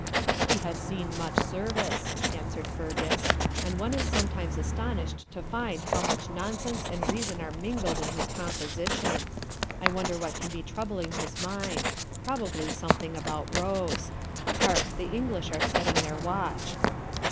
"' 'He has seen much service,' answered Fergus, 'and one is sometimes astonished to find how much nonsense and reason are mingled in his composition. I wonder what can be troubling his mind; probably something about Rose. Hark! the English are setting their watch.'